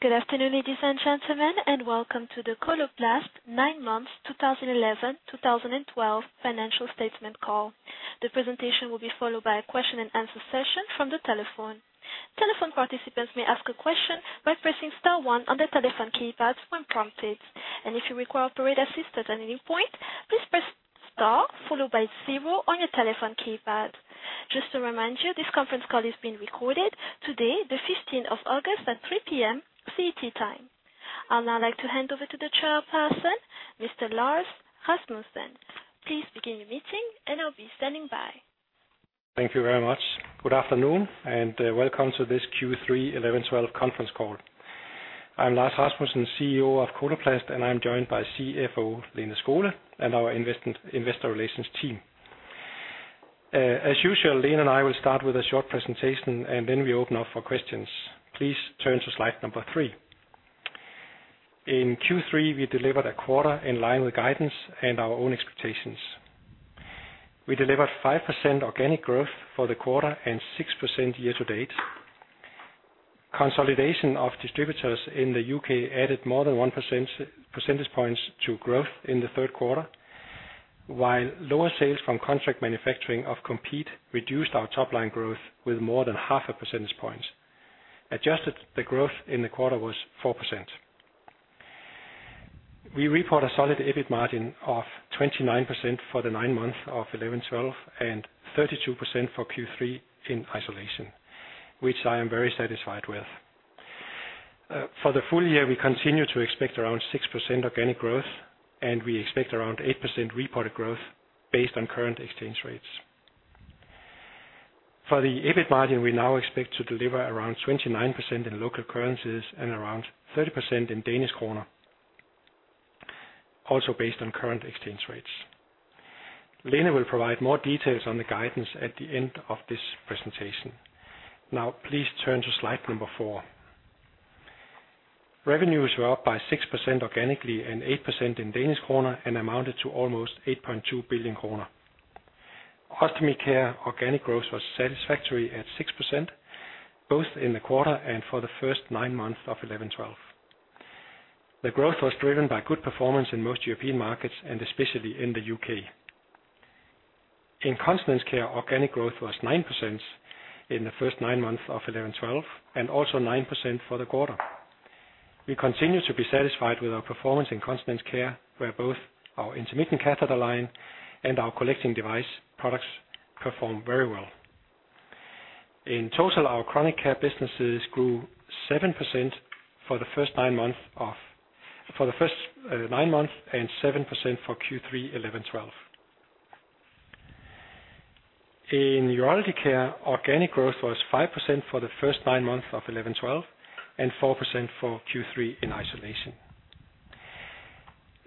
Good afternoon, ladies and gentlemen, and welcome to the Coloplast Nine Months, 2011/2012 Financial Statement Call. The presentation will be followed by a Q&A session from the telephone. Telephone participants may ask a question by pressing star one on their telephone keypads when prompted, and if you require operator assistance at any point, please press star followed by zero on your telephone keypad. Just to remind you, this conference call is being recorded today, the 15th of August, at 3:00 P.M. C.T. time. I'd now like to hand over to the chairperson, Mr. Lars Rasmussen. Please begin the meeting and I'll be standing by. Thank you very much. Good afternoon, and welcome to this Q3 2011/2012 conference call. I'm Lars Rasmussen, CEO of Coloplast, and I'm joined by CFO Lene Skole and our investor relations team. As usual, Lene and I will start with a short presentation, then we open up for questions. Please turn to slide number three. In Q3, we delivered a quarter in line with guidance and our own expectations. We delivered 5% organic growth for the quarter and 6% year to date. Consolidation of distributors in the U.K added more than 1%, percentage points to growth in the third quarter, while lower sales from contract manufacturing of Compeed reduced our top line growth with more than half a percentage point. Adjusted, the growth in the quarter was 4%. We report a solid EBIT margin of 29% for the nine months of 2011/2012, and 32% for Q3 in isolation, which I am very satisfied with. For the full year, we continue to expect around 6% organic growth, and we expect around 8% reported growth based on current exchange rates. For the EBIT margin, we now expect to deliver around 29% in local currencies and around 30% in Danish kroner, also based on current exchange rates. Lene will provide more details on the guidance at the end of this presentation. Please turn to slide number four. Revenues were up by 6% organically and 8% in Danish kroner and amounted to almost 8.2 billion kroner. Ostomy Care organic growth was satisfactory at 6%, both in the quarter and for the first nine months of 2011/2012. The growth was driven by good performance in most European markets, especially in the U.K. In Continence Care, organic growth was 9% in the first nine months of 2011/2012, also 9% for the quarter. We continue to be satisfied with our performance in Continence Care, where both our intermittent catheter line and our collecting device products perform very well. In total, our Chronic Care businesses grew 7% for the first nine months and 7% for Q3 2011/2012. In Urology Care, organic growth was 5% for the first nine months of 2011/2012, 4% for Q3 in isolation.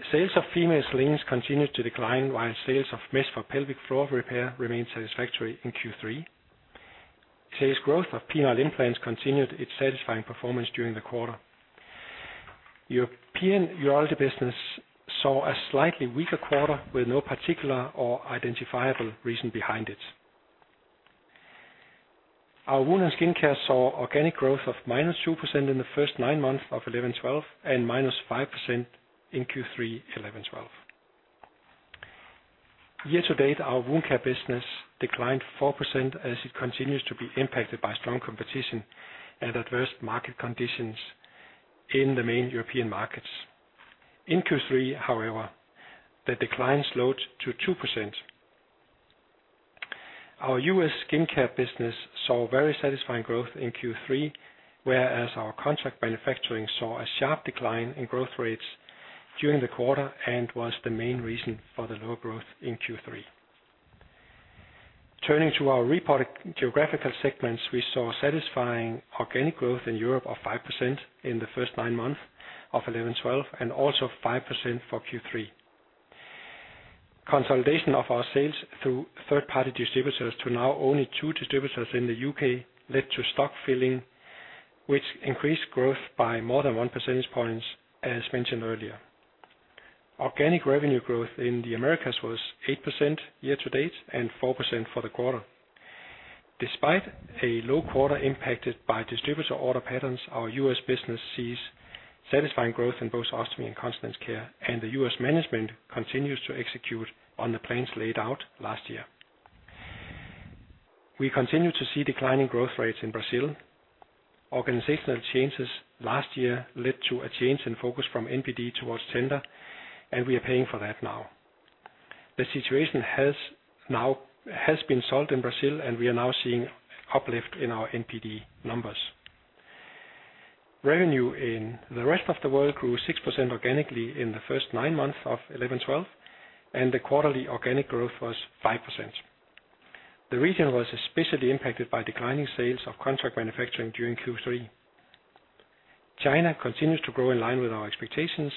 Sales of female slings continued to decline, while sales of mesh for pelvic floor repair remained satisfactory in Q3. Sales growth of penile implants continued its satisfying performance during the quarter. European Urology business saw a slightly weaker quarter, with no particular or identifiable reason behind it. Our Wound & Skin Care saw organic growth of -2% in the first nine months of 2011/2012, and -5% in Q3 2011/2012. Year to date, our wound care business declined 4%, as it continues to be impacted by strong competition and adverse market conditions in the main European markets. In Q3, however, the decline slowed to 2%. Our U.S. skincare business saw very satisfying growth in Q3, whereas our contract manufacturing saw a sharp decline in growth rates during the quarter and was the main reason for the lower growth in Q3. Turning to our reported geographical segments, we saw satisfying organic growth in Europe of 5% in the first nine months of 2011/2012, and also 5% for Q3. Consolidation of our sales through third-party distributors to now only two distributors in the U.K. led to stock filling, which increased growth by more than 1 percentage points, as mentioned earlier. Organic revenue growth in the Americas was 8% year to date and 4% for the quarter. Despite a low quarter impacted by distributor order patterns, our U.S. business sees satisfying growth in both Ostomy Care and Continence Care, and the U.S. management continues to execute on the plans laid out last year. We continue to see declining growth rates in Brazil. Organizational changes last year led to a change in focus from NPD towards tender, and we are paying for that now. The situation has been solved in Brazil, and we are now seeing uplift in our NPD numbers. Revenue in the rest of the world grew 6% organically in the first nine months of 2011/2012, and the quarterly organic growth was 5%. The region was especially impacted by declining sales of contract manufacturing during Q3. China continues to grow in line with our expectations,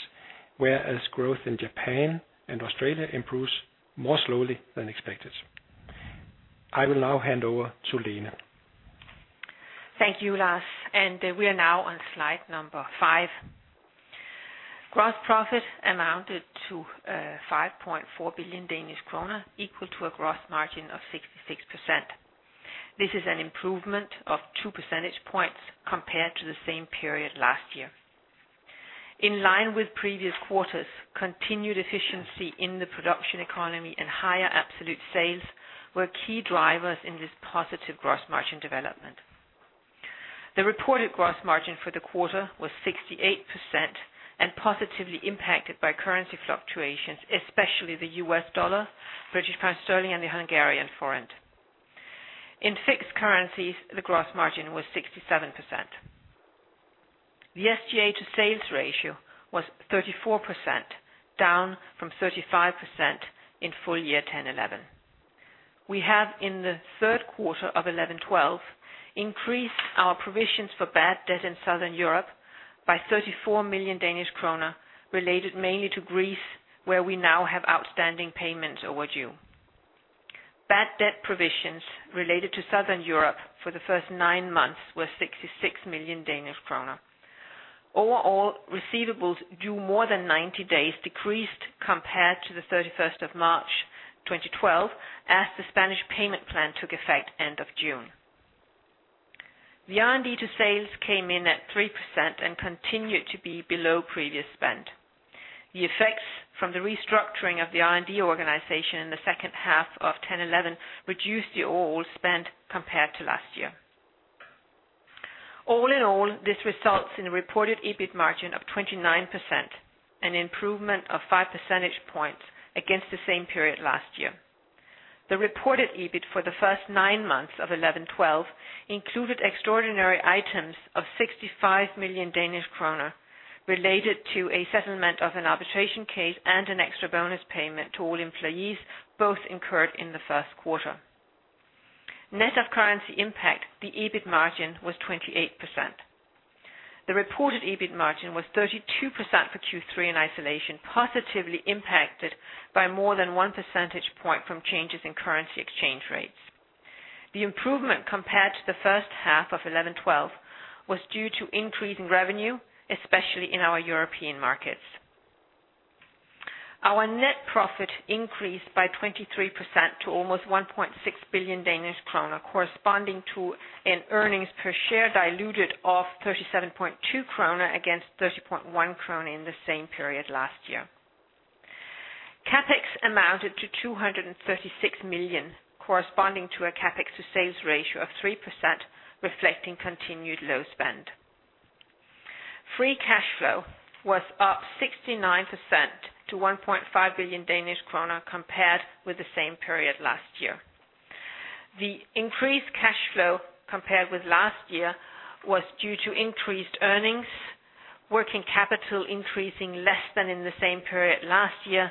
whereas growth in Japan and Australia improves more slowly than expected. I will now hand over to Lene. Thank you, Lars. We are now on slide number five. Gross profit amounted to 5.4 billion Danish kroner, equal to a gross margin of 66%. This is an improvement of 2 percentage points compared to the same period last year. In line with previous quarters, continued efficiency in the production economy and higher absolute sales were key drivers in this positive gross margin development. The reported gross margin for the quarter was 68% and positively impacted by currency fluctuations, especially the U.S. dollar, British pound sterling, and the Hungarian forint. In fixed currencies, the gross margin was 67%. The SGA to sales ratio was 34%, down from 35% in full year 2010, 2011. We have, in the third quarter of 2011/2012, increased our provisions for bad debt in Southern Europe by 34 million Danish kroner, related mainly to Greece, where we now have outstanding payments overdue. Bad debt provisions related to Southern Europe for the first nine months were 66 million Danish kroner. Overall, receivables due more than 90 days decreased compared to March 31, 2012, as the Spanish payment plan took effect end of June. The R&D to sales came in at 3% and continued to be below previous spend. The effects from the restructuring of the R&D organization in the second half of 2010, 2011, reduced the overall spend compared to last year. All in all, this results in a reported EBIT margin of 29%, an improvement of 5 percentage points against the same period last year. The reported EBIT for the first nine months of 2011/2012, included extraordinary items of 65 million Danish kroner related to a settlement of an arbitration case and an extra bonus payment to all employees, both incurred in the first quarter. Net of currency impact, the EBIT margin was 28%. The reported EBIT margin was 32% for Q3 in isolation, positively impacted by more than 1 percentage point from changes in currency exchange rates. The improvement compared to the first half of 2011/2012, was due to increase in revenue, especially in our European markets. Our net profit increased by 23% to almost 1.6 billion Danish kroner, corresponding to an earnings per share diluted of 37.2 kroner, against 30.1 kroner in the same period last year. CapEx amounted to 236 million, corresponding to a CapEx to sales ratio of 3%, reflecting continued low spend. Free cash flow was up 69% to 1.5 billion Danish kroner compared with the same period last year. The increased cash flow compared with last year, was due to increased earnings, working capital increasing less than in the same period last year,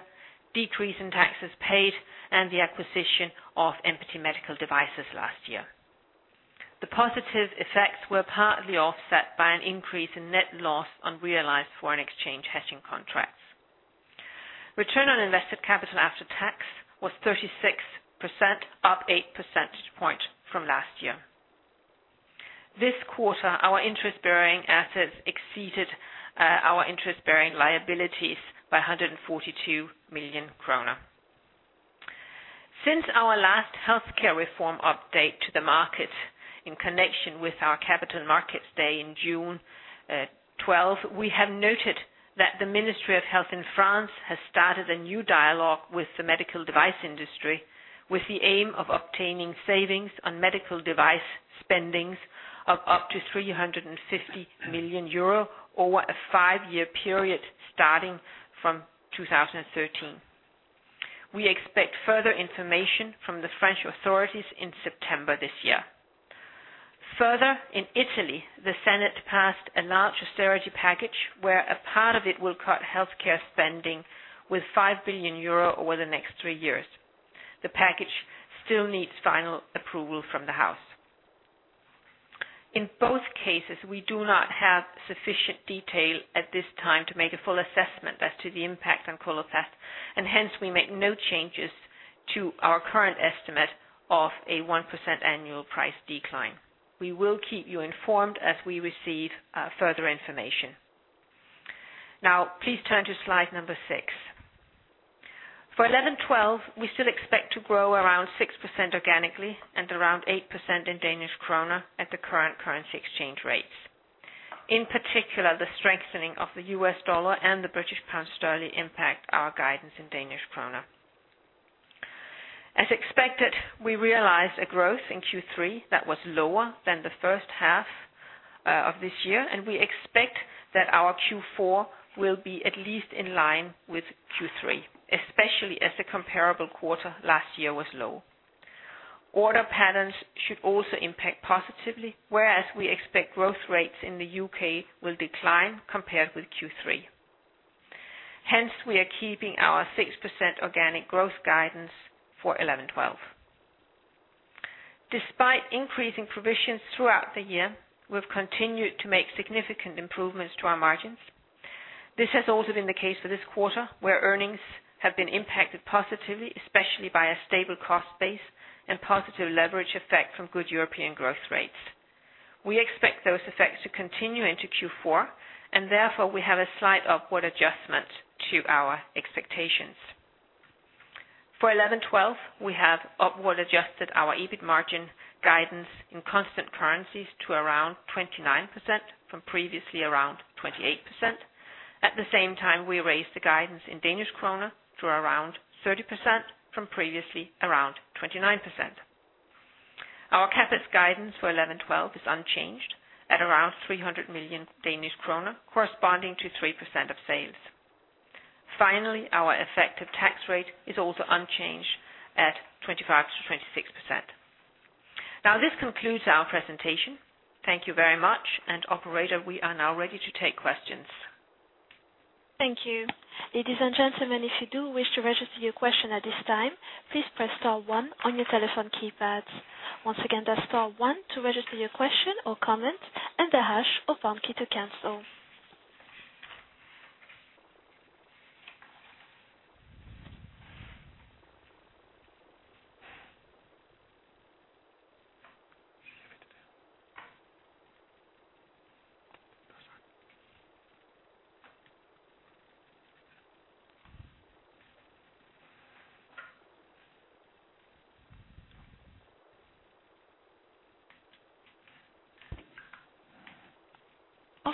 decrease in taxes paid, and the acquisition of Mpathy Medical Devices last year. The positive effects were partly offset by an increase in net loss on realized foreign exchange hedging contracts. Return on invested capital after tax was 36%, up 8 percentage point from last year. This quarter, our interest-bearing assets exceeded our interest-bearing liabilities by 142 million kroner. Since our last healthcare reform update to the market in connection with our Capital Markets Day in June 2012, we have noted that the Ministry of Health in France has started a new dialogue with the medical device industry, with the aim of obtaining savings on medical device spendings of up to 350 million euro over a five-year period, starting from 2013. We expect further information from the French authorities in September this year. In Italy, the Senate passed a large austerity package, where a part of it will cut healthcare spending with 5 billion euro over the next three years. The package still needs final approval from the House. In both cases, we do not have sufficient detail at this time to make a full assessment as to the impact on Coloplast. Hence, we make no changes to our current estimate of a 1% annual price decline. We will keep you informed as we receive further information. Please turn to slide number six. For 2011/2012, we still expect to grow around 6% organically and around 8% in Danish kroner at the current currency exchange rates. In particular, the strengthening of the U.S. dollar and the British pound sterling impact our guidance in Danish kroner. As expected, we realized a growth in Q3 that was lower than the first half of this year. We expect that our Q4 will be at least in line with Q3, especially as the comparable quarter last year was low. Order patterns should also impact positively, whereas we expect growth rates in the U.K. will decline compared with Q3. We are keeping our 6% organic growth guidance for 2011/2012. Despite increasing provisions throughout the year, we've continued to make significant improvements to our margins. This has also been the case for this quarter, where earnings have been impacted positively, especially by a stable cost base and positive leverage effect from good European growth rates. We expect those effects to continue into Q4, and therefore we have a slight upward adjustment to our expectations. For2011/2012, we have upward adjusted our EBIT margin guidance in constant currencies to around 29% from previously around 28%. At the same time, we raised the guidance in Danish kroner to around 30% from previously around 29%. Our CapEx guidance for 11-12 is unchanged at around 300 million Danish kroner, corresponding to 3% of sales. Finally, our effective tax rate is also unchanged at 25%-26%. Now, this concludes our presentation. Thank you very much. Operator, we are now ready to take questions. Thank you. Ladies and gentlemen, if you do wish to register your question at this time, please press star one on your telephone keypads. Once again, that's star one to register your question or comment and the hash or pound key to cancel.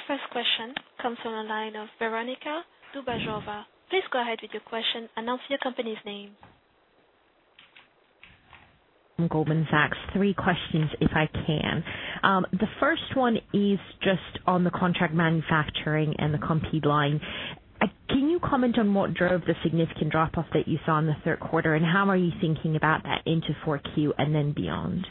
Our first question comes from the line of Veronika Dubajova. Please go ahead with your question, announce your company's name. From Goldman Sachs. Three questions, if I can. The first one is just on the contract manufacturing and the Compeed line. Can you comment on what drove the significant drop-off that you saw in Q3, and how are you thinking about that into Q4 and then beyond?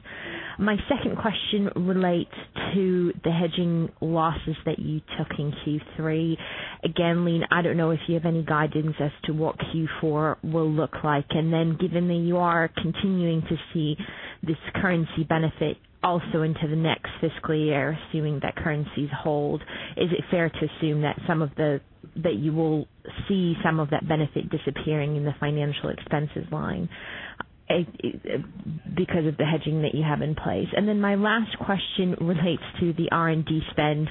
My second question relates to the hedging losses that you took in Q3. Again, Lene, I don't know if you have any guidance as to what Q4 will look like, and then given that you are continuing to see this currency benefit also into the next fiscal year, assuming that currencies hold, is it fair to assume that you will see some of that benefit disappearing in the financial expenses line, because of the hedging that you have in place? My last question relates to the R&D spend.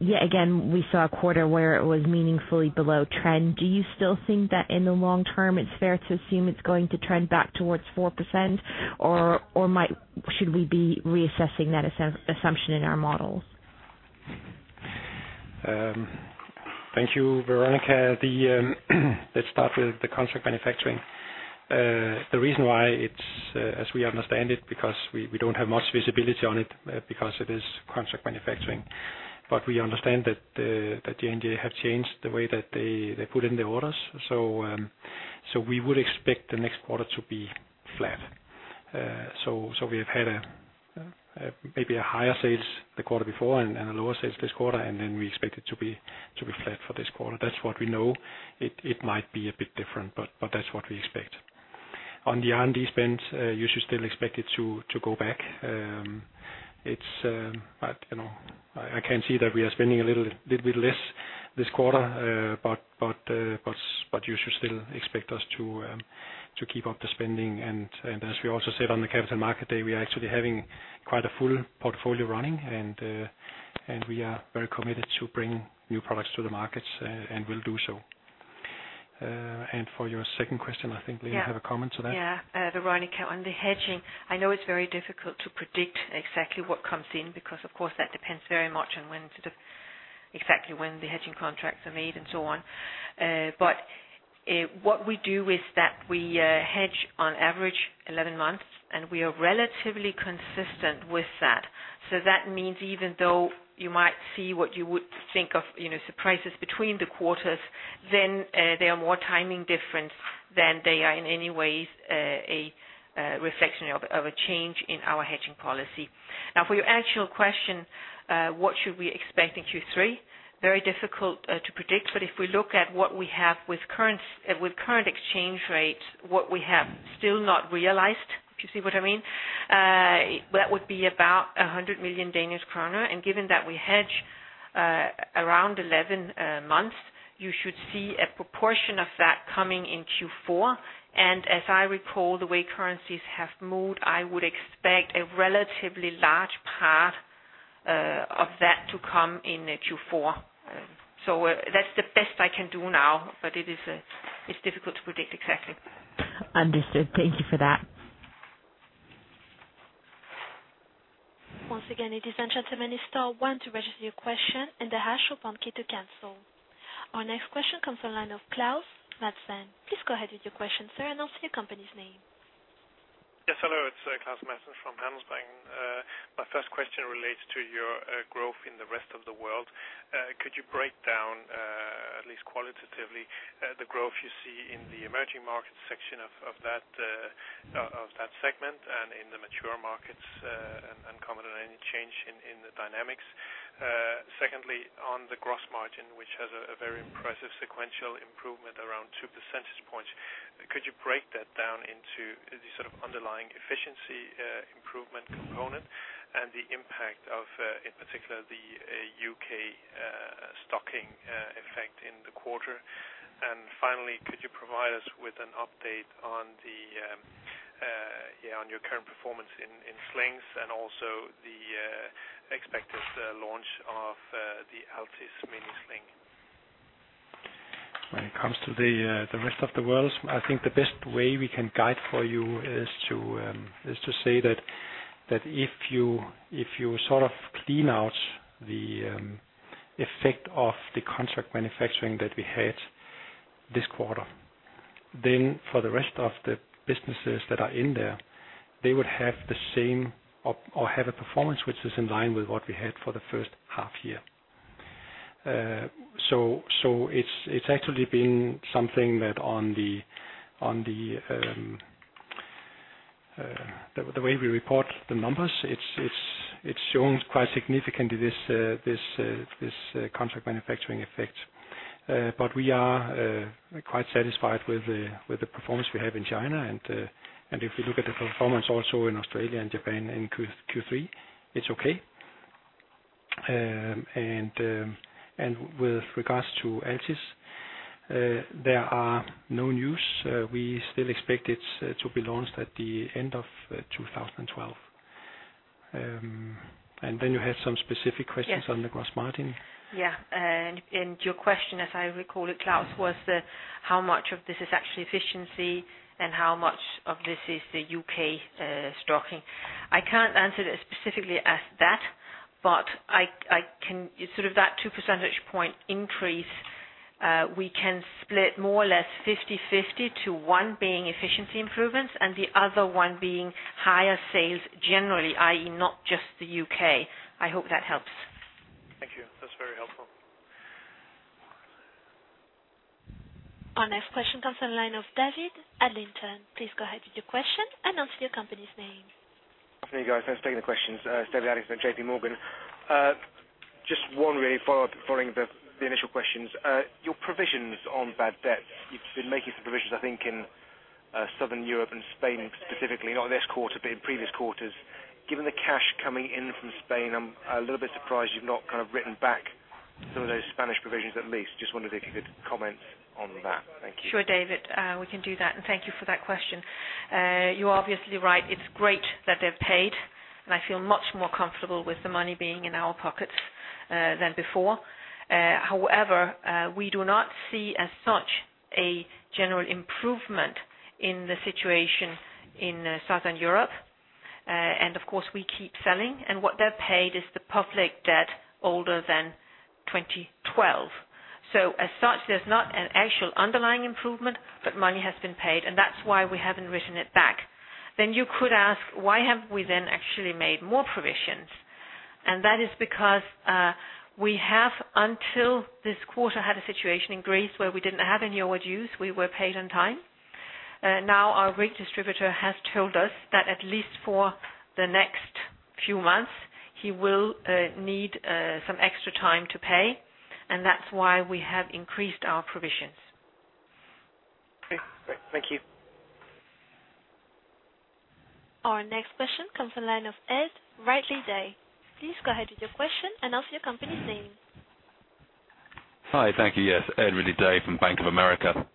Yet again, we saw a quarter where it was meaningfully below trend. Do you still think that in the long term, it's fair to assume it's going to trend back towards 4%, or should we be reassessing that assumption in our models? Thank you, Veronika. Let's start with the contract manufacturing. The reason why it's, as we understand it, because we don't have much visibility on it, because it is contract manufacturing. We understand that J&J have changed the way that they put in the orders. We would expect the next quarter to be flat. We have had a maybe a higher sales the quarter before and a lower sales this quarter, and then we expect it to be flat for this quarter. That's what we know. It might be a bit different, but that's what we expect. On the R&D spend, you should still expect it to go back. It's, but, you know, I can see that we are spending a little bit less this quarter, but you should still expect us to keep up the spending. As we also said on the capital market day, we are actually having quite a full portfolio running, and we are very committed to bringing new products to the markets, and will do so. For your second question, I think Lene you have a comment to that. Yeah, Veronika, on the hedging, I know it's very difficult to predict exactly what comes in, because, of course, that depends very much on when sort of, exactly when the hedging contracts are made and so on. What we do is that we, hedge on average 11 months, and we are relatively consistent with that. That means even though you might see what you would think of, you know, surprises between the quarters, then, they are more timing difference than they are in any ways, a, reflection of a change in our hedging policy. Now, for your actual question, what should we expect in Q3? Very difficult to predict, but if we look at what we have with current exchange rates, what we have still not realized, if you see what I mean, that would be about 100 million Danish kroner. Given that we hedge around 11 months, you should see a proportion of that coming in Q4. As I recall, the way currencies have moved, I would expect a relatively large part of that to come in Q4. That's the best I can do now, but it is, it's difficult to predict exactly. Understood. Thank you for that. Once again, ladies and gentlemen, it's star one to register your question and the hash or pound key to cancel. Our next question comes from the line of Klaus Madsen. Please go ahead with your question, sir, and announce your company's name. Yes, hello, it's Klaus Madsen from Handelsbanken. My first question relates to your growth in the rest of the world. Could you break down, at least qualitatively, the growth you see in the emerging market section of that segment and in the mature markets, and comment on any change in the dynamics? Secondly, on the gross margin, which has a very impressive sequential improvement around 2 percentage points, could you break that down into the sort of underlying efficiency improvement component and the impact of, in particular, the U.K. stocking effect in the quarter? Finally, could you provide us with an update on the, yeah, on your current performance in slings, and also the expected launch of the Altis Mini Sling? When it comes to the rest of the world, I think the best way we can guide for you is to say that if you sort of clean out the effect of the contract manufacturing that we had this quarter, then for the rest of the businesses that are in there, they would have the same or have a performance which is in line with what we had for the first half year. It's actually been something that on the way we report the numbers, it's shown quite significantly this contract manufacturing effect. We are quite satisfied with the performance we have in China, and if you look at the performance also in Australia and Japan in Q3, it's okay. With regards to Altis, there are no news. We still expect it to be launched at the end of 2012. You had some specific questions. Yes. On the gross margin. Your question, as I recall it, Klaus, was the how much of this is actually efficiency? How much of this is the U.K. stocking? I can't answer it as specifically as that, but I can sort of that 2 percentage point increase, we can split more or less 50/50, to one being efficiency improvements, and the other one being higher sales generally, i.e., not just the U.K. I hope that helps. Thank you. That's very helpful. Our next question comes from the line of David Adlington. Please go ahead with your question, announce your company's name. Hey, guys. Thanks for taking the questions. David Adlington, J.P. Morgan. Just one really follow-up, following the initial questions. Your provisions on bad debts. You've been making some provisions, I think, in Southern Europe and Spain specifically, not this quarter, but in previous quarters. Given the cash coming in from Spain, I'm a little bit surprised you've not kind of written back some of those Spanish provisions at least. Just wondered if you could comment on that. Thank you. Sure, David. We can do that, and thank you for that question. You're obviously right. It's great that they've paid, and I feel much more comfortable with the money being in our pockets than before. However, we do not see as such, a general improvement in the situation in Southern Europe. Of course, we keep selling, and what they've paid is the public debt older than 2012. As such, there's not an actual underlying improvement, but money has been paid, and that's why we haven't written it back. You could ask: Why haven't we then actually made more provisions? That is because, we have, until this quarter, had a situation in Greece where we didn't have any overdues. We were paid on time. Now our Greek distributor has told us that at least for the next few months, he will need some extra time to pay. That's why we have increased our provisions. Okay, great. Thank you. Our next question comes from the line of Ed Ridley-Day. Please go ahead with your question, announce your company's name. Hi, thank you. Yes, Ed Ridley-Day from Bank of America.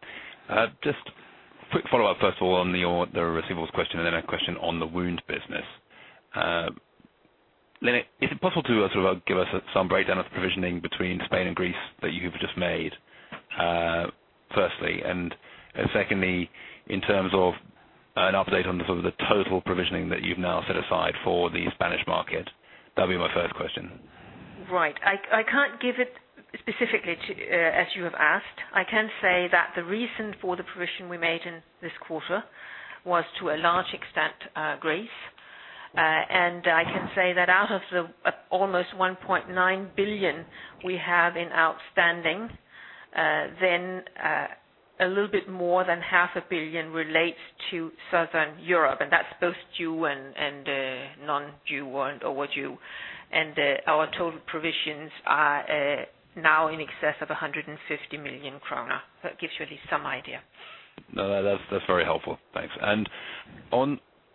Just a quick follow-up, first of all, on the receivables question, and then a question on the wound business. Is it possible to sort of give us some breakdown of the provisioning between Spain and Greece that you have just made, firstly? Secondly, in terms of an update on the sort of the total provisioning that you've now set aside for the Spanish market? That'll be my first question. Right. I can't give it specifically to as you have asked. I can say that the reason for the provision we made in this quarter was, to a large extent, Greece. I can say that out of the almost 1.9 billion we have in outstanding, then a little bit more than half a billion DKK relates to Southern Europe, and that's both due and non-due, and overdue. Our total provisions are now in excess of 150 million kroner. That gives you at least some idea. No, that's very helpful. Thanks.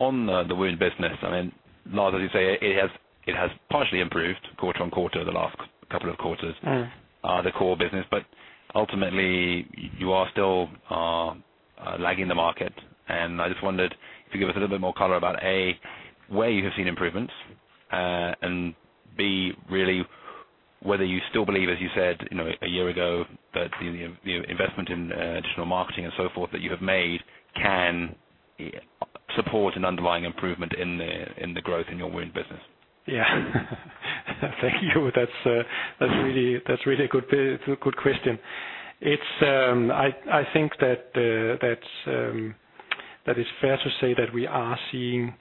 On the wound business, I mean, not as you say, it has partially improved quarter-on-quarter, the last couple of quarters. Mm. The core business. Ultimately, you are still lagging the market. I just wondered if you could give us a little bit more color about, A, where you have seen improvements, and, B, really, whether you still believe, as you said, you know, a year ago, that the investment in additional marketing and so forth, that you have made can support an underlying improvement in the growth in your wound business? Yeah. Thank you. That's really a good question. It's, I think that it's fair to say that we are seeing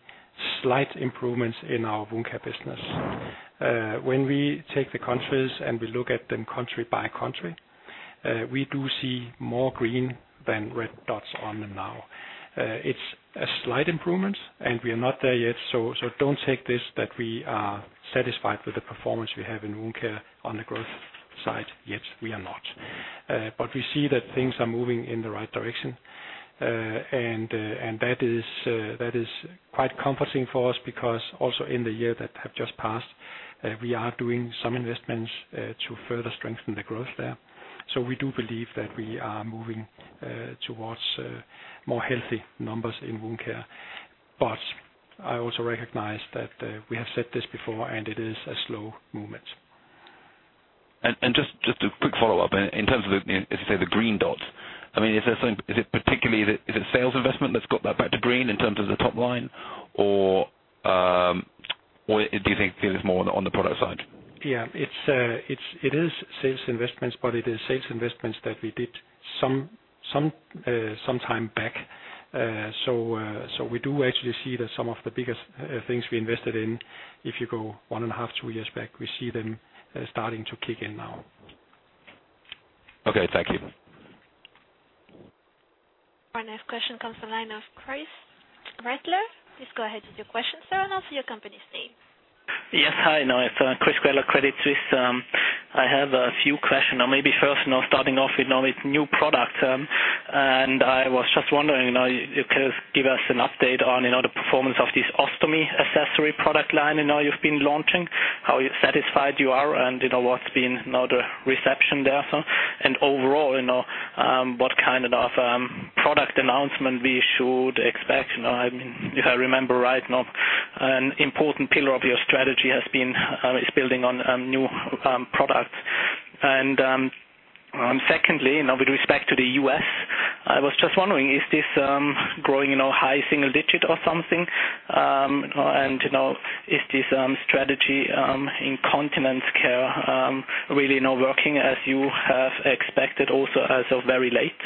slight improvements in our wound care business. When we take the countries, and we look at them country by country, we do see more green than red dots on them now. It's a slight improvement, and we are not there yet, so don't take this, that we are satisfied with the performance we have in wound care on the growth side. Yet, we are not. We see that things are moving in the right direction. That is quite comforting for us, because also in the year that have just passed, we are doing some investments to further strengthen the growth there. We do believe that we are moving towards more healthy numbers in wound care. I also recognize that we have said this before, and it is a slow movement. Just a quick follow-up. In terms of the, as you say, the green dots, I mean, is it particularly sales investment that's got that back to green in terms of the top line? Or do you think it is more on the product side? Yeah, it is sales investments, but it is sales investments that we did some time back. We do actually see that some of the biggest things we invested in, if you go 1.5, two years back, we see them starting to kick in now. Okay, thank you. Our next question comes from the line of Christoph Gretler. Please go ahead with your question, sir, and also your company's name. Yes. Hi, Christoph Gretler, Credit Suisse. I have a few questions. Now, maybe first, you know, starting off, you know, with new product, and I was just wondering, you know, you could give us an update on, you know, the performance of this ostomy accessory product line you know you've been launching, how satisfied you are, and you know, what's been, you know, the reception there. Overall, you know, what kind of product announcement we should expect? You know, I mean, if I remember right, you know, an important pillar of your strategy has been, is building on, new products. Secondly, now with respect to the U.S., I was just wondering, is this growing, you know, high single digit or something? You know, is this strategy in Continence Care really now working as you have expected, also as of very late?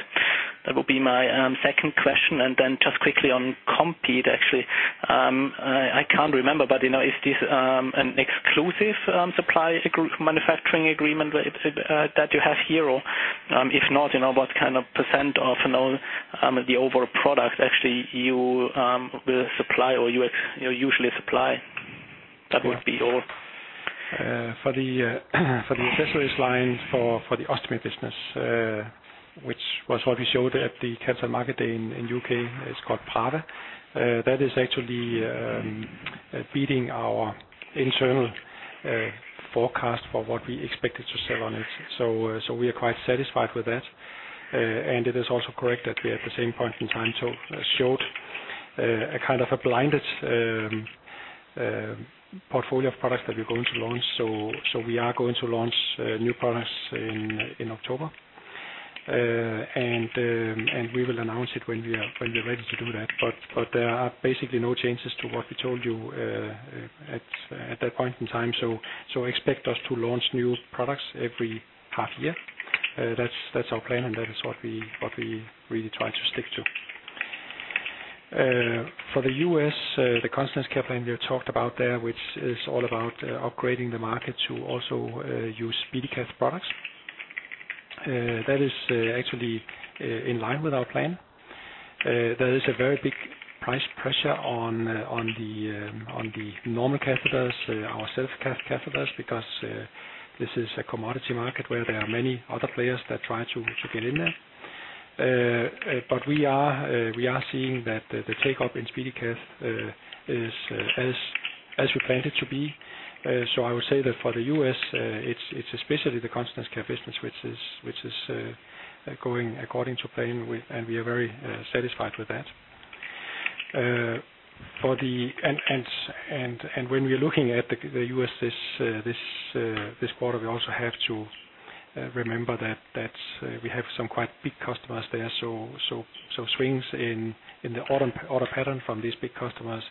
That would be my second question. Just quickly on Compeed, actually, I can't remember, but you know, is this an exclusive supply group manufacturing agreement that you have here? If not, you know, what kind of % of, you know, the overall product actually you will supply or you usually supply? That would be all. For the accessories line, for the ostomy business, which was what we showed at the Capital Market Day in U.K., it's called Prada. That is actually beating our internal forecast for what we expected to sell on it. We are quite satisfied with that. And it is also correct that we, at the same point in time, showed a kind of a blinded portfolio of products that we're going to launch. We are going to launch new products in October. And we will announce it when we are ready to do that. There are basically no changes to what we told you at that point in time. Expect us to launch new products every half year. That's, that's our plan, and that is what we, what we really try to stick to. For the U.S., the Continence Care plan we talked about there, which is all about upgrading the market to also use SpeediCath products. That is actually in line with our plan. There is a very big price pressure on the normal catheters, our self-catheters, because this is a commodity market where there are many other players that try to get in there. But we are seeing that the take-up in SpeediCath is as we planned it to be. So I would say that for the U.S., it's especially the Continence Care business, which is going according to plan, and we are very satisfied with that. When we're looking at the U.S. this quarter, we also have to remember that we have some quite big customers there. Swings in the order pattern from these big customers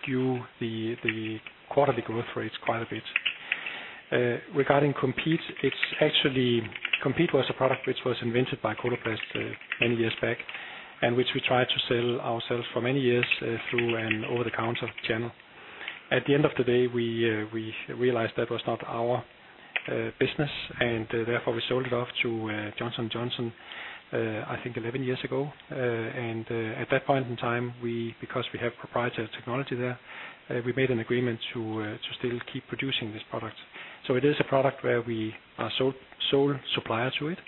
skew the quarterly growth rates quite a bit. Regarding Compeed was a product which was invented by Coloplast many years back, and which we tried to sell ourselves for many years through an over-the-counter channel. At the end of the day, we realized that was not our business, and therefore we sold it off to Johnson & Johnson, I think 11 years ago. At that point in time, because we have proprietary technology there, we made an agreement to still keep producing this product. It is a product where we are sole supplier to it.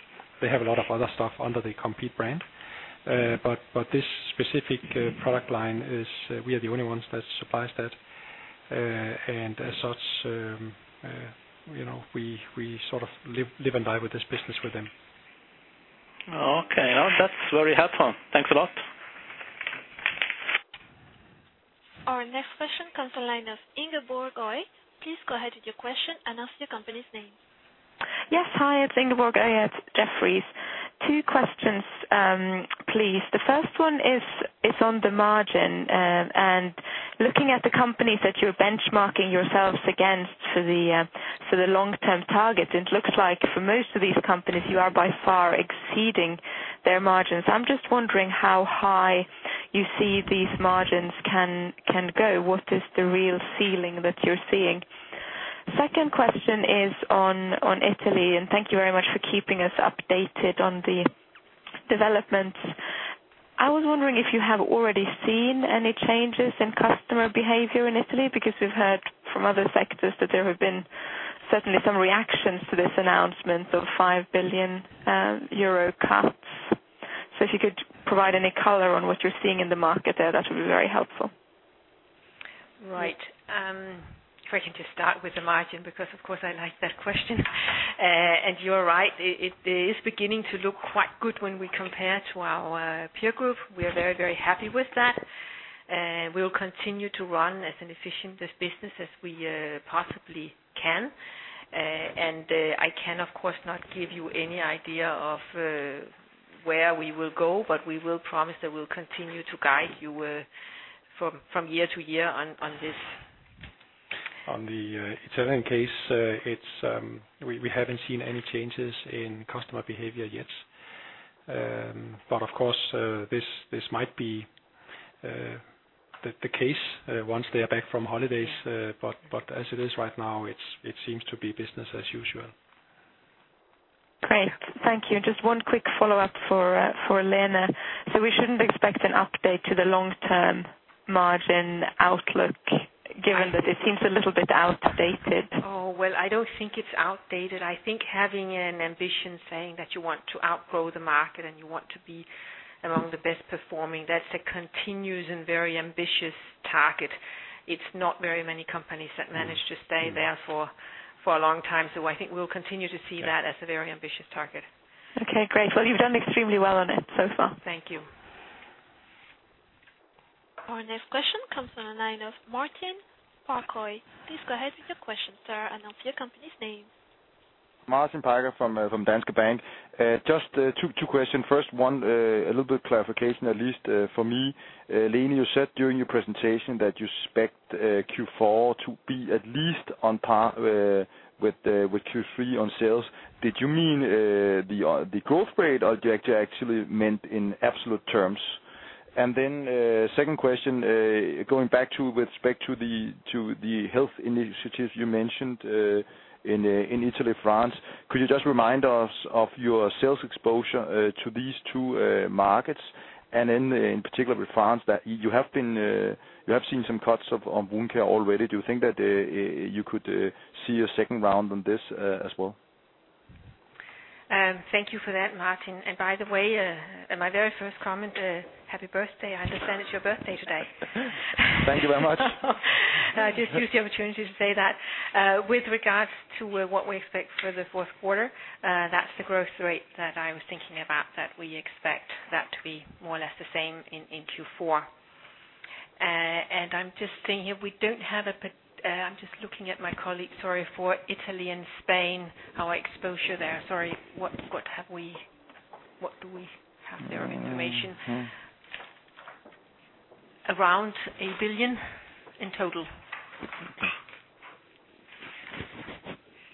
They have a lot of other stuff under the Compeed brand. This specific product line is, we are the only ones that supplies that. As such, you know, we sort of live and die with this business with them. Okay, that's very helpful. Thanks a lot. Our next question comes from line of Ingeborg Øye. Please go ahead with your question and state your company's name. Yes, hi, it's Ingeborg Øye at Jefferies. Two questions, please. The first one is on the margin, looking at the companies that you're benchmarking yourselves against for the long-term targets, it looks like for most of these companies, you are by far exceeding their margins. I'm just wondering how high you see these margins can go. What is the real ceiling that you're seeing? Second question is on Italy, thank you very much for keeping us updated on the developments. I was wondering if you have already seen any changes in customer behavior in Italy, because we've heard from other sectors that there have been certainly some reactions to this announcement of 5 billion euro cuts. If you could provide any color on what you're seeing in the market there, that would be very helpful. Right. Trying to start with the margin, because, of course, I like that question. You're right, it is beginning to look quite good when we compare to our peer group. We are very, very happy with that, and we'll continue to run as an efficient this business as we possibly can. I can, of course, not give you any idea of where we will go, but we will promise that we'll continue to guide you from year-to-year on this. On the Italian case, we haven't seen any changes in customer behavior yet. Of course, this might be the case once they are back from holidays, but as it is right now, it seems to be business as usual. Great. Thank you. Just one quick follow-up for Lene. We shouldn't expect an update to the long-term margin outlook, given that it seems a little bit outdated? Well, I don't think it's outdated. I think having an ambition, saying that you want to outgrow the market, and you want to be among the best performing, that's a continuous and very ambitious target. It's not very many companies that manage to stay there for a long time. I think we'll continue to see that as a very ambitious target. Okay, great. Well, you've done extremely well on it so far. Thank you. Our next question comes from the line of Martin Parkhøi. Please go ahead with your question, sir, and announce your company's name. Martin Parkhøi from Danske Bank. Just two questions. First, one, a little bit of clarification, at least for me. Lene, you said during your presentation that you expect Q4 to be at least on par with Q3 on sales. Did you mean the growth rate, or do you actually meant in absolute terms? Second question, going back to with respect to the health initiatives you mentioned in Italy, France, could you just remind us of your sales exposure to these two markets? In particular with France, that you have seen some cuts on wound care already. Do you think that you could see a second round on this as well? Thank you for that, Martin. By the way, my very first comment, happy birthday. I understand it's your birthday today. Thank you very much. I just use the opportunity to say that, with regards to what we expect for the fourth quarter, that's the growth rate that I was thinking about, that we expect that to be more or less the same in Q4. I'm just seeing here, we don't have a, I'm just looking at my colleague, sorry, for Italy and Spain, our exposure there. Sorry, what do we have there of information? Around EUR 1 billion in total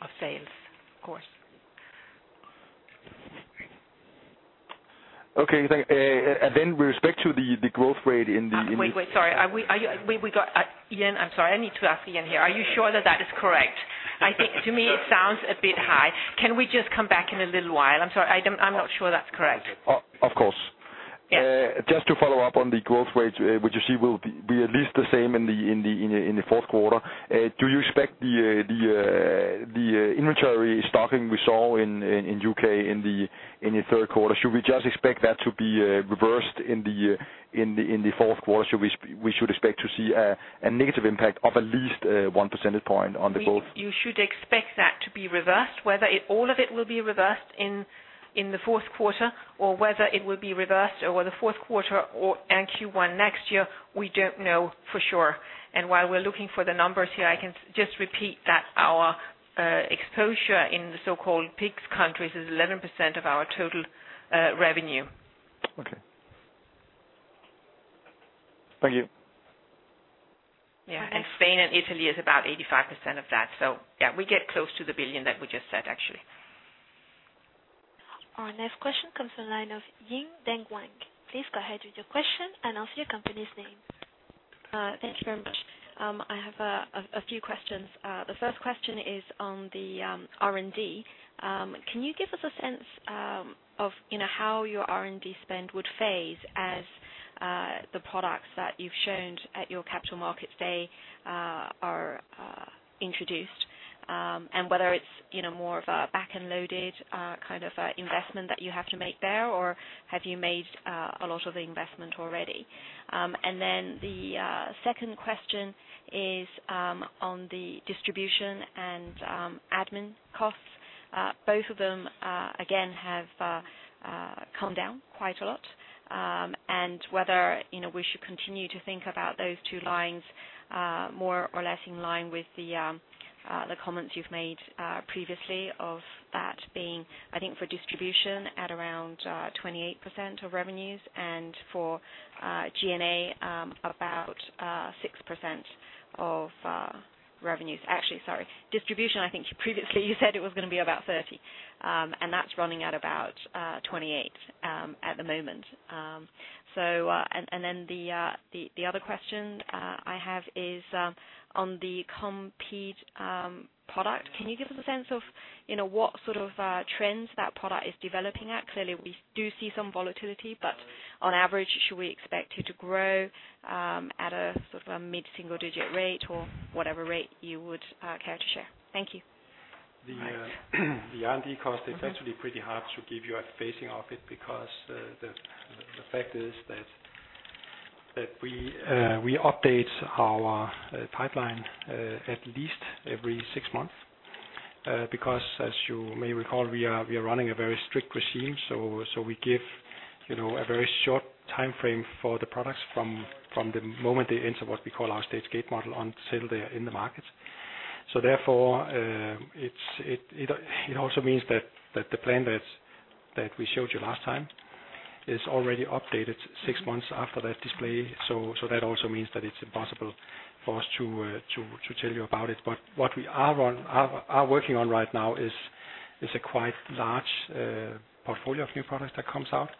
of sales, of course. Okay, thank you. Then with respect to the growth rate in the. Wait, sorry. Are you, we got Ian, I'm sorry, I need to ask Ian here. Are you sure that that is correct? I think to me, it sounds a bit high. Can we just come back in a little while? I'm sorry. I'm not sure that's correct. Of course. Yeah. Just to follow up on the growth rate, which you see will be at least the same in the fourth quarter. Do you expect the inventory stocking we saw in U.K. in the third quarter, should we just expect that to be reversed in the fourth quarter? We should expect to see a negative impact of at least 1 percentage point on the growth. You should expect that to be reversed. Whether all of it will be reversed in the fourth quarter, or whether it will be reversed over the fourth quarter or, and Q1 next year, we don't know for sure. While we're looking for the numbers here, I can just repeat that our exposure in the so-called PIGS countries is 11% of our total revenue. Okay. Thank you. Spain and Italy is about 85% of that. We get close to the billion that we just said, actually. Our next question comes from the line of Yin Denwan. Please go ahead with your question, announce your company's name. Thank you very much. I have a few questions. The first question is on the R&D. Can you give us a sense of, you know, how your R&D spend would phase as the products that you've shown at your capital markets day are introduced? Whether it's, you know, more of a back-end loaded kind of investment that you have to make there, or have you made a lot of investment already? Then the second question is on the distribution and admin costs. Both of them again have come down quite a lot. Whether, you know, we should continue to think about those two lines, more or less in line with the comments you've made previously of that being, I think, for distribution at around 28% of revenues and for GNA, about 6% of revenues. Actually, sorry, distribution, I think you previously you said it was going to be about 30, and that's running at about 28 at the moment. Then the other question I have is on the Compeed product. Can you give us a sense of, you know, what sort of trends that product is developing at? Clearly, we do see some volatility, but on average, should we expect it to grow, at a sort of a mid-single digit rate or whatever rate you would, care to share? Thank you. The R&D cost, it's actually pretty hard to give you a phasing of it because the fact is that we update our pipeline at least every six months because as you may recall, we are running a very strict regime. We give, you know, a very short timeframe for the products from the moment they enter what we call our Stage-Gate model on sale day in the market. Therefore, it also means that the plan that we showed you last time is already updated six months after that display. That also means that it's impossible for us to tell you about it. What we are working on right now is a quite large portfolio of new products that comes out.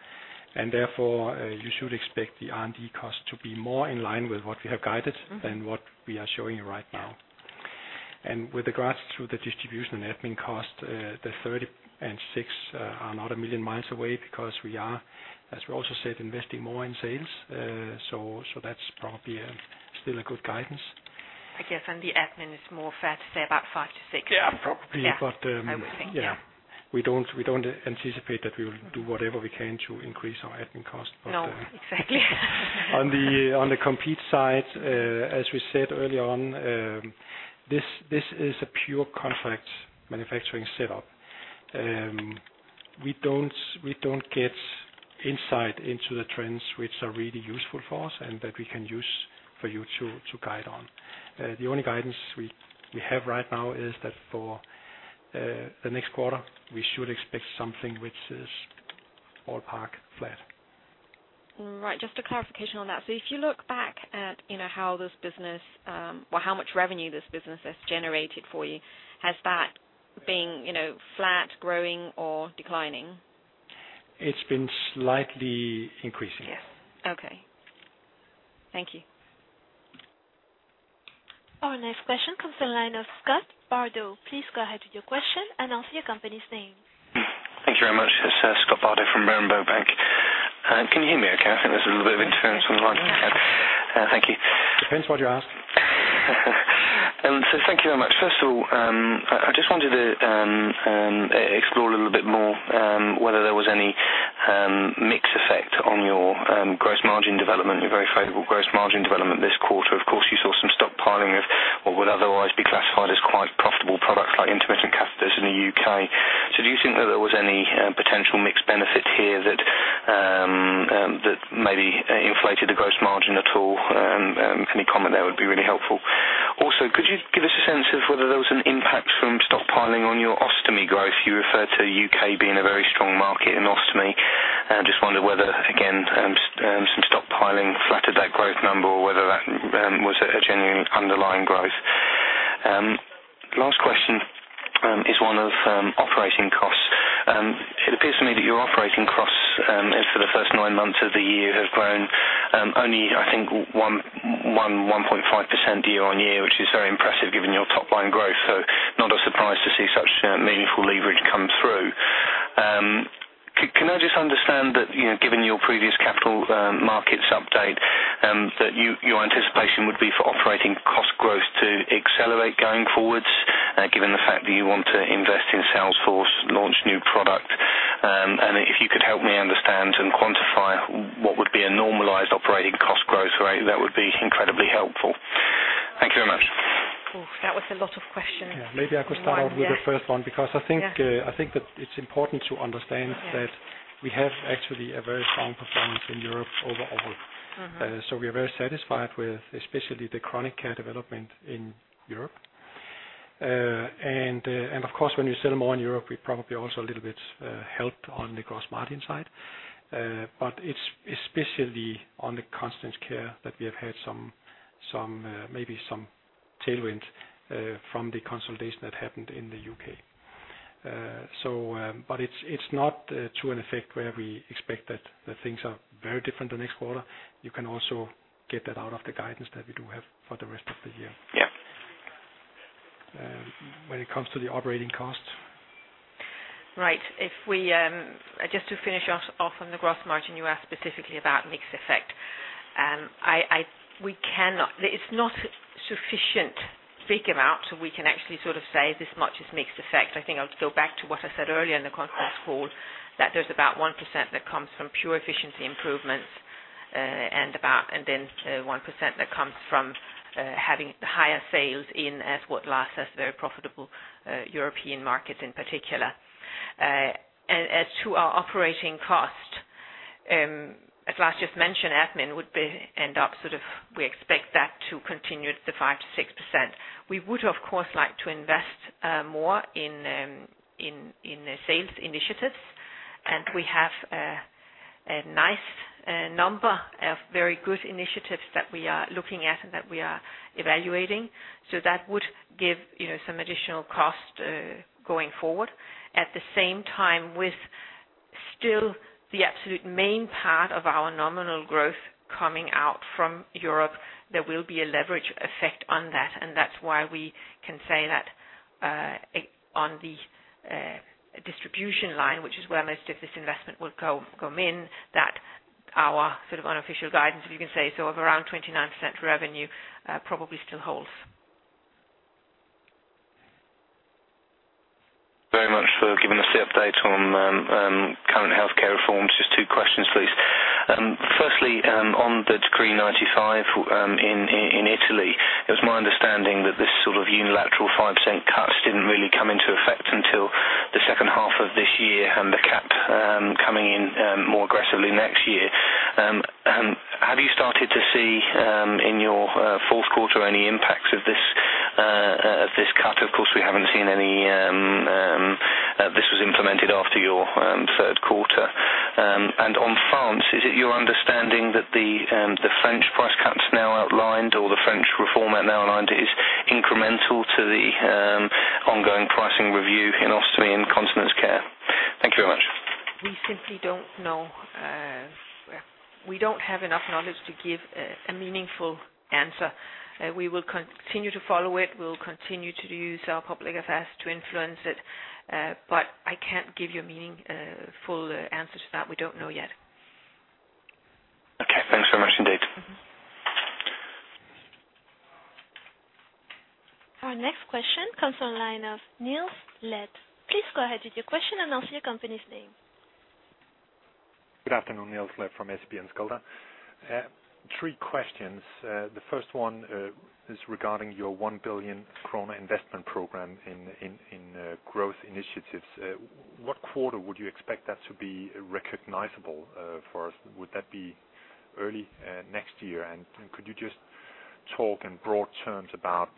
Therefore, you should expect the R&D cost to be more in line with what we have guided than what we are showing you right now. With regards to the distribution and admin cost, the 30% and 6% are not a million miles away because we are, as we also said, investing more in sales. That's probably still a good guidance. I guess, the admin is more fair to say about five to six. Yeah, probably. Yeah. Yeah. I would think, yeah. We don't anticipate that we will do whatever we can to increase our admin cost, but, No, exactly. On the Compeed side, as we said early on, this is a pure contract manufacturing setup. We don't get insight into the trends which are really useful for us and that we can use for you to guide on. The only guidance we have right now is that for the next quarter, we should expect something which is all park flat. All right, just a clarification on that. If you look back at, you know, how this business, or how much revenue this business has generated for you, has that been, you know, flat, growing or declining? It's been slightly increasing. Yes. Okay. Thank you. Our next question comes from the line of Scott Bardo. Please go ahead with your question and announce your company's name. Thank you very much. This is Scott Bardo from Berenberg Bank. Can you hear me okay? I think there's a little bit of interference on the line. Thank you. Depends what you're asking. Thank you very much. First of all, I just wanted to explore a little bit more whether there was any mix effect on your gross margin development, your very favorable gross margin development this quarter. Of course, you saw some stockpiling of what would otherwise be classified as quite profitable products, like intermittent catheters in the UK. Do you think that there was any potential mix benefit here that maybe inflated the gross margin at all? Any comment there would be really helpful. Also, could you give us a sense of whether there was an impact from stockpiling on your ostomy growth? You referred to U.K. being a very strong market in ostomy, and just wondered whether, again, some stockpiling flattered that growth number or whether that was a genuine underlying growth. Last question is one of operating costs. It appears to me that your operating costs, as for the first nine months of the year, have grown only I think 1.5% year-on-year, which is very impressive given your top line growth. Not a surprise to see such meaningful leverage come through. Can I just understand that, you know, given your previous capital markets update, that your anticipation would be for operating cost growth to accelerate going forwards, given the fact that you want to invest in sales force, launch new product? If you could help me understand and quantify what would be a normalized operating cost growth rate, that would be incredibly helpful. Thank you very much. Oh, that was a lot of questions. Yeah. Maybe I could start off with the first one, because. Yeah I think that it's important to understand- Yeah That we have actually a very strong performance in Europe overall. Mm-hmm. We are very satisfied with especially the Chronic Care development in Europe. Of course, when you sell more in Europe, we probably also a little bit helped on the gross margin side. It's especially on the Chronic Care that we have had some maybe some tailwind from the consolidation that happened in the U.K. It's not to an effect where we expect that things are very different the next quarter. You can also get that out of the guidance that we do have for the rest of the year. Yeah. When it comes to the operating costs? Right. If we just to finish off on the gross margin, you asked specifically about mix effect. We cannot it's not sufficient, big amount, so we can actually sort of say this much is mix effect. I think I'll go back to what I said earlier in the conference call, that there's about 1% that comes from pure efficiency improvements, and then 1% that comes from having higher sales in, as what Lars says, very profitable European markets in particular. As to our operating cost, as Lars just mentioned, admin would end up we expect that to continue at the 5%-6%. We would, of course, like to invest more in the sales initiatives. We have a nice number of very good initiatives that we are looking at and that we are evaluating. That would give, you know, some additional cost going forward. At the same time, still the absolute main part of our nominal growth coming out from Europe, there will be a leverage effect on that. That's why we can say that on the distribution line, which is where most of this investment will go, come in, that our sort of unofficial guidance, if you can say so, of around 29% revenue probably still holds. Very much for giving us the update on current healthcare reforms. Just two questions, please. Firstly, on the Decree Ninety-Five in Italy, it was my understanding that this sort of unilateral 5% cuts didn't really come into effect until the second half of this year, and the cap coming in more aggressively next year. Have you started to see in your fourth quarter any impacts of this cut? Of course, we haven't seen any, this was implemented after your third quarter. On France, is it your understanding that the French price cuts now outlined or the French reform act now outlined, is incremental to the ongoing pricing review in Ostomy and Continence Care? Thank you very much. We simply don't know. We don't have enough knowledge to give a meaningful answer. We will continue to follow it. We'll continue to use our public affairs to influence it, but I can't give you a meaningful answer to that. We don't know yet. Okay. Thanks so much indeed. Our next question comes from the line of Niels Granholm-Leth. Please go ahead with your question, and announce your company's name. Good afternoon, Niels Granholm-Leth from SEB Enskilda. Three questions. The first one is regarding your 1 billion krone investment program in growth initiatives. What quarter would you expect that to be recognizable for us? Would that be early next year? Could you just talk in broad terms about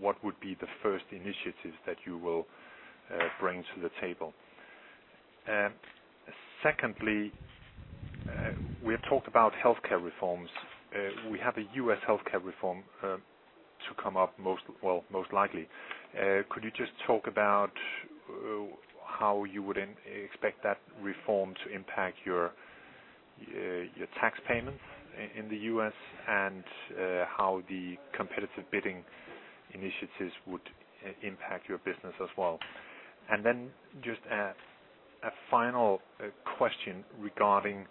what would be the first initiatives that you will bring to the table? Secondly, we have talked about healthcare reforms. We have a U.S. Healthcare reform to come up most, well, most likely. Could you just talk about how you would expect that reform to impact your tax payments in the US, and how the competitive bidding initiatives would impact your business as well? Just a final question regarding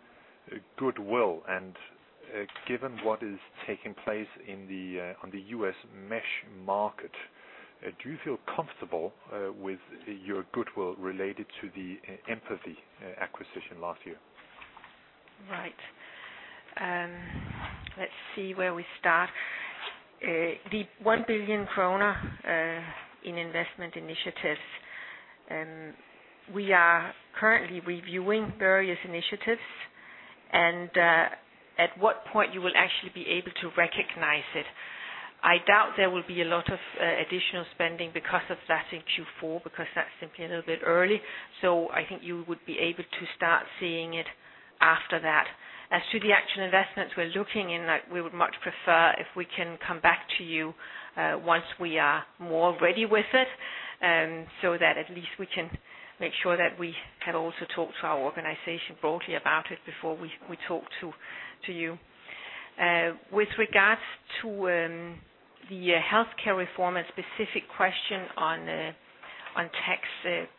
goodwill, and given what is taking place on the U.S. mesh market, do you feel comfortable with your goodwill related to the Mpathy acquisition last year? Right. Let's see where we start. The 1 billion kroner in investment initiatives, we are currently reviewing various initiatives, and at what point you will actually be able to recognize it, I doubt there will be a lot of additional spending because of that in Q4, because that's simply a little bit early. I think you would be able to start seeing it after that. As to the actual investments we're looking in, that we would much prefer if we can come back to you, once we are more ready with it, so that at least we can make sure that we have also talked to our organization broadly about it before we talk to you. With regards to the healthcare reform, a specific question on tax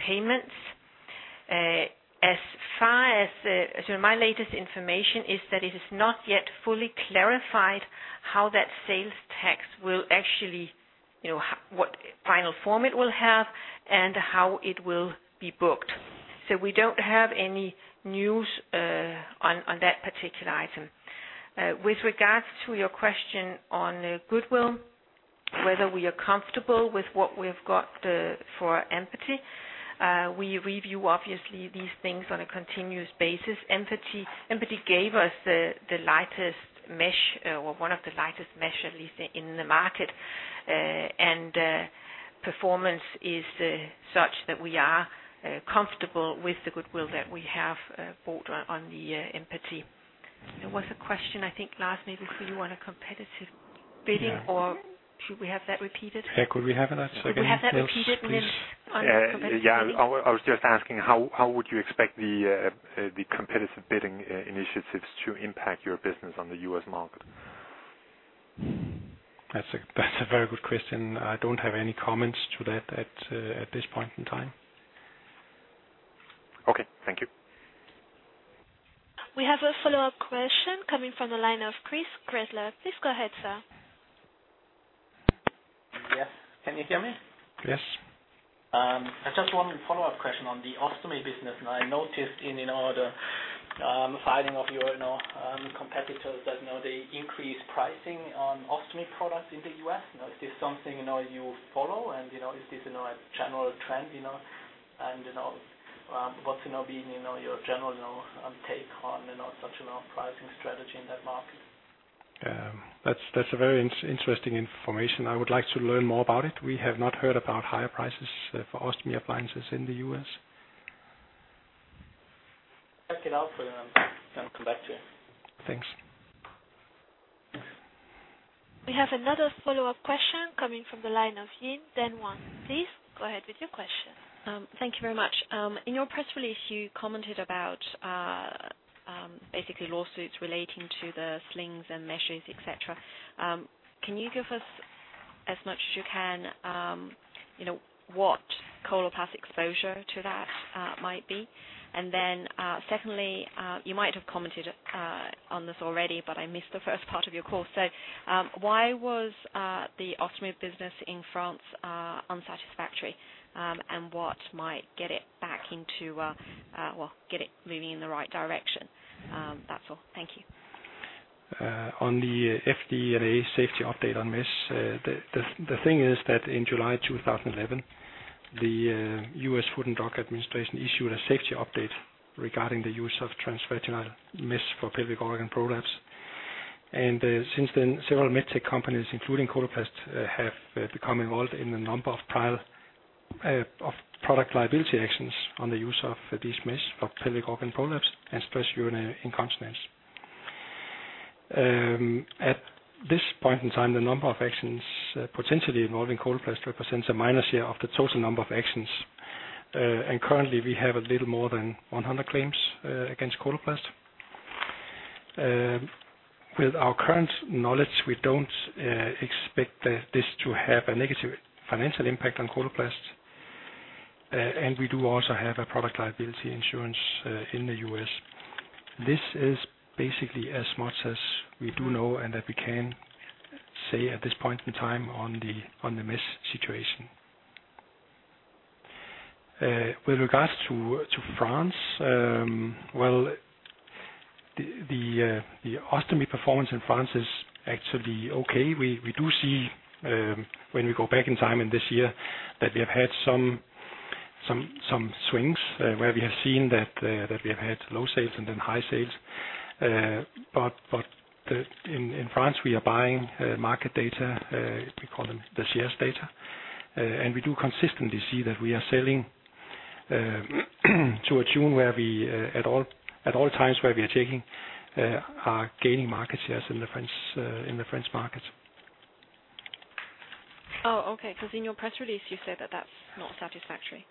payments, as far as my latest information is that it is not yet fully clarified how that sales tax will actually, you know, what final form it will have and how it will be booked. We don't have any news on that particular item. With regards to your question on goodwill, whether we are comfortable with what we've got for Mpathy, we review, obviously, these things on a continuous basis. Mpathy gave us the lightest mesh, or one of the lightest mesh at least in the market, and performance is such that we are comfortable with the goodwill that we have bought on the Mpathy. There was a question, I think, lastly, before you won a competitive bidding-. Yeah. Should we have that repeated? Yeah, could we have that again, please? Could we have that repeated, Nils, on competitive bidding? Yeah, I was just asking how would you expect the competitive bidding initiatives to impact your business on the U.S. market? That's a very good question. I don't have any comments to that at this point in time. Okay. Thank you. We have a follow-up question coming from the line of Chris Gretler. Please go ahead, sir. Yes. Can you hear me? Yes. I just one follow-up question on the ostomy business, and I noticed in, you know, the filing of your, you know, competitors that, you know, they increased pricing on ostomy products in the U.S. You know, is this something, you know, you follow? Is this, you know, a general trend, you know, and, you know, what's, you know, been, you know, your general, you know, take on, you know, such, you know, pricing strategy in that market? That's a very interesting information. I would like to learn more about it. We have not heard about higher prices for ostomy appliances in the U.S. Check it out, and then I'll come back to you. Thanks. We have another follow-up question coming from the line of Yin Denwan. Please go ahead with your question. Thank you very much. In your press release, you commented about basically lawsuits relating to the slings and meshes, et cetera. Can you give us as much as you can, you know, what Coloplast exposure to that might be? Secondly, you might have commented on this already, but I missed the first part of your call. Why was the ostomy business in France unsatisfactory? What might get it back into, well, get it moving in the right direction? That's all. Thank you. On the FDA safety update on mesh, the thing is that in July 2011, the U.S. Food and Drug Administration issued a safety update regarding the use of transvaginal mesh for pelvic organ prolapse. Since then, several med tech companies, including Coloplast, have become involved in a number of trial of product liability actions on the use of these mesh for pelvic organ prolapse and stress urinary incontinence. At this point in time, the number of actions potentially involving Coloplast represents a minus year of the total number of actions. Currently, we have a little more than 100 claims against Coloplast. With our current knowledge, we don't expect this to have a negative financial impact on Coloplast. We do also have a product liability insurance in the U.S. This is basically as much as we do know and that we can say at this point in time on the mesh situation. With regards to France, well, the ostomy performance in France is actually okay. We do see, when we go back in time in this year, that we have had some swings, where we have seen that we have had low sales and then high sales. In France, we are buying market data, we call them the shares data. We do consistently see that we are selling to a tune where we at all times where we are taking are gaining market shares in the French market. Oh, okay. Because in your press release, you say that that's not satisfactory.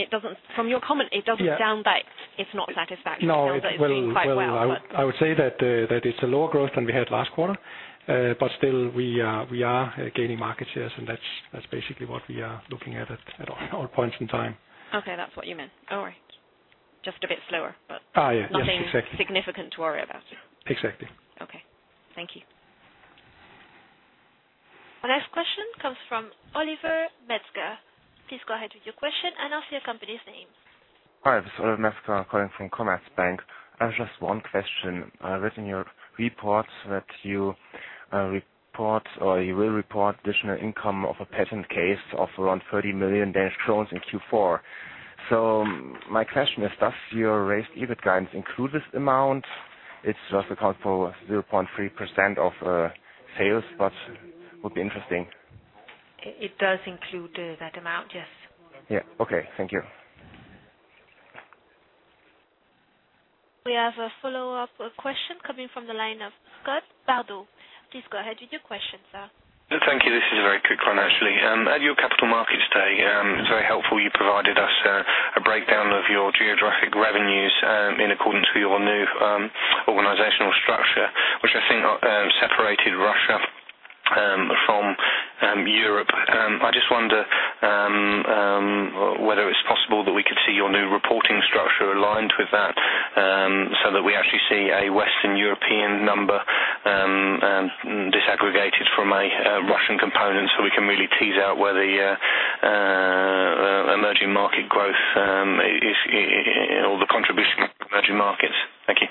It doesn't... From your comment, it doesn't- Yeah. Sound like it's not satisfactory. No. It sounds like it's doing quite well. Well, I would say that it's a lower growth than we had last quarter. Still we are gaining market shares. That's basically what we are looking at all points in time. Okay, that's what you meant. All right. Just a bit slower, but- Yeah. Yes, exactly. Nothing significant to worry about. Exactly. Okay. Thank you. Our next question comes from Oliver Metzger. Please go ahead with your question, and I'll say your company's name. Hi, this is Oliver Metzger calling from Commerzbank. I have just one question. I read in your reports that you report or you will report additional income of a patent case of around 30 million DKK in Q4. My question is, does your raised EBIT guidance include this amount? It just accounts for 0.3% of sales, but would be interesting. It does include, that amount, yes. Yeah. Okay. Thank you. We have a follow-up question coming from the line of Scott Bardo. Please go ahead with your question, sir. Thank you. This is a very quick one, actually. At your Capital Markets Day, it's very helpful you provided us a breakdown of your geographic revenues in accordance with your new organizational structure, which I think separated Russia from Europe. I just wonder whether it's possible that we could see your new reporting structure aligned with that so that we actually see a Western European number disaggregated from a Russian component, so we can really tease out where the emerging market growth is in all the contribution emerging markets. Thank you.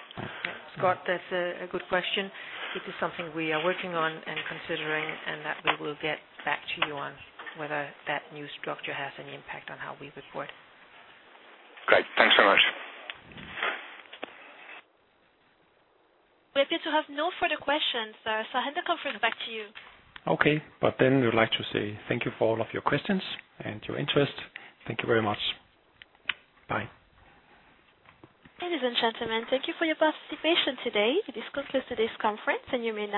Scott, that's a good question. This is something we are working on and considering, and that we will get back to you on whether that new structure has any impact on how we report. Great. Thanks so much. We appear to have no further questions, so I hand the conference back to you. Okay. We would like to say thank you for all of your questions and your interest. Thank you very much. Bye. Ladies and gentlemen, thank you for your participation today. This concludes today's conference. You may now disconnect.